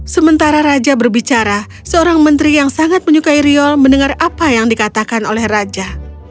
sementara raja berbicara seorang menteri yang sangat menyukai riol mendengar apa yang dikatakan oleh raja